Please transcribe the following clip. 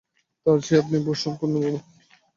তার চেয়ে আপনি বসুন পূর্ণবাবু!